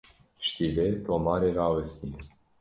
Piştî vê tomarê rawestîne.